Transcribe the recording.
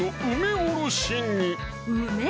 梅！